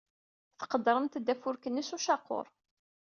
Tqeddremt-d afurk-nni s ucaqur.